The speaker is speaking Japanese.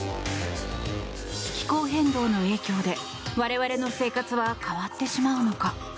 気候変動の影響で、我々の生活は変わってしまうのか？